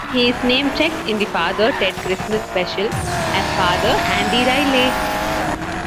He is namechecked in the "Father Ted Christmas Special" as 'Father Andy Riley'.